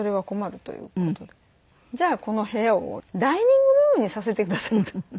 じゃあこの部屋をダイニングルームにさせてくださいと。